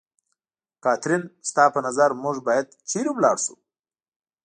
کاترین، ستا په نظر موږ باید چېرته ولاړ شو؟